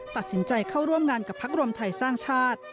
ตัดสินใจเข้าร่วมงานกับพักรวมไทยสร้างชาติ